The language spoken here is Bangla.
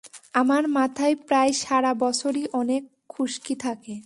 আমার মাথায় প্রায় সারা বছরই অনেক খুশকি থাকে।